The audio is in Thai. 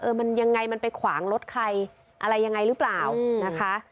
มันยังไงมันไปขวางรถใครอะไรยังไงหรือเปล่านะคะ